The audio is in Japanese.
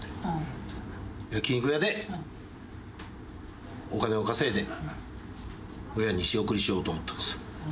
焼肉屋でお金を稼いで親に仕送りしようと思ったんです。